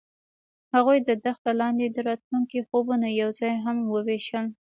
هغوی د دښته لاندې د راتلونکي خوبونه یوځای هم وویشل.